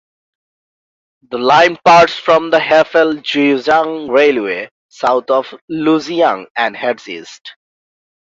The line parts from the Hefei–Jiujiang railway south of Lujiang and heads east.